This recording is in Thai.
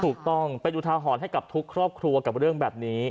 ถูกต้องเป็นอุทาหรณ์ให้กับทุกครอบครัวกับเรื่องแบบนี้